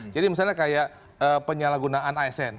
jadi misalnya kayak penyalahgunaan asn